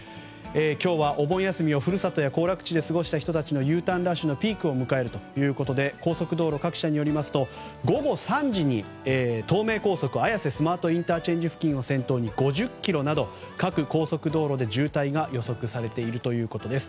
今日はお盆休みを故郷や行楽地で過ごした人たちのＵターンラッシュのピークを迎えるということで高速道路各社によりますと午後３時に東名高速綾瀬スマートＩＣ付近を先頭に５０ｋｍなど各高速道路で渋滞が予測されているということです。